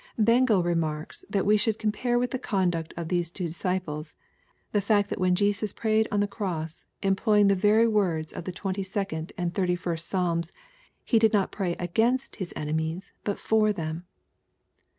Bengel remarks, that we should compare with the conduct of these two disciples "the fact that when Jesus prayed on the cross, employing the very words of the twenty second and thirty first Psalms, he did not pray against His enemies, but for them."